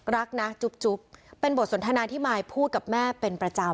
รักนะจุ๊บเป็นบทสนทนาที่มายพูดกับแม่เป็นประจำ